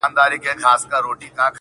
یو په یو مي د مرګي غېږ ته لېږلي-